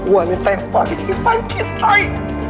wanita yang pahami ivan cintai